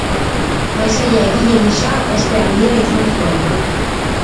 Paisaia-egile gisa ospe handia izan zuen.